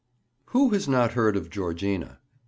WHO has not heard of Georgina?